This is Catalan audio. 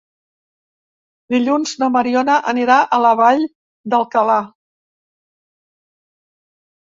Dilluns na Mariona anirà a la Vall d'Alcalà.